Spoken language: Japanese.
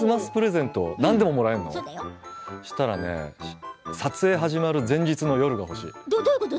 そうしたらね撮影が始まる前の夜が欲しい。